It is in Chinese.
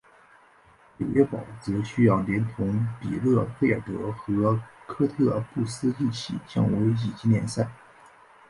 纽伦堡则需要连同比勒费尔德和科特布斯一起降入乙级联赛。